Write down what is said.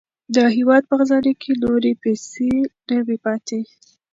د هېواد په خزانې کې نورې پیسې نه وې پاتې.